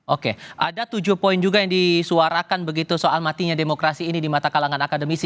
oke ada tujuh poin juga yang disuarakan begitu soal matinya demokrasi ini di mata kalangan akademisi